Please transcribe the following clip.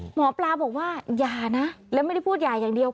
หมอปลาบอกว่าอย่านะแล้วไม่ได้พูดหย่าอย่างเดียว